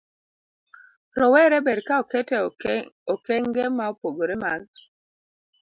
Rowere ber ka oket e okenge ma opogore mag